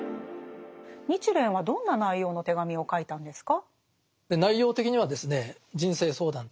日蓮はどんな内容の手紙を書いたんですか？